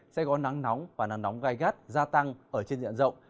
sẽ có nắng nóng và nắng nóng gai gắt gia tăng ở trên diện rộng